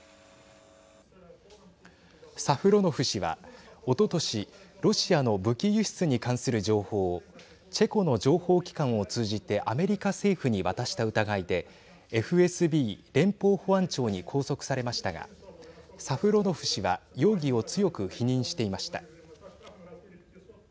サフロノフ氏はおととしロシアの武器輸出に関する情報をチェコの情報機関を通じてアメリカ政府に渡した疑いでＦＳＢ＝連邦保安庁に拘束されましたがサフロノフ氏は容疑を強く否認していました。